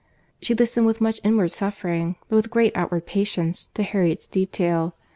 —She listened with much inward suffering, but with great outward patience, to Harriet's detail.